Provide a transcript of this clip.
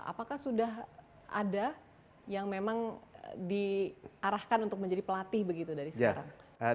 apakah sudah ada yang memang diarahkan untuk menjadi pelatih begitu dari sekarang